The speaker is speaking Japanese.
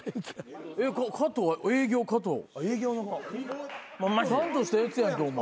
「営業加藤」ちゃんとしたやつやんけお前。